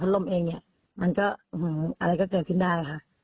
โปรดติดตามตอนต่อไป